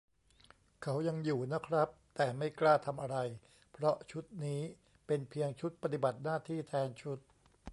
เขายังอยู่นะครับ แต่ไม่กล้าทำอะไร เพราะชุดนี้เป็นเพียง ชุดปฏิบัติหน้าที่แทนชุด